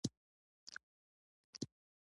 توتان د سترګو لپاره ښه دي.